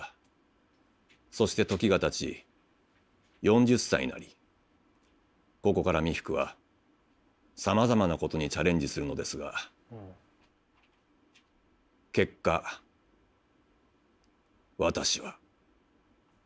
そして時がたち４０歳になりここから三福はさまざまなことにチャレンジするのですが結果私は。